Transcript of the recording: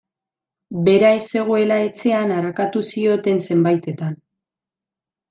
Bera ez zegoela etxea arakatu zioten zenbaitetan.